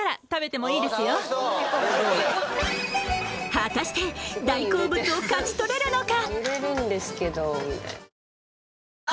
果たして大好物を勝ち取れるのか？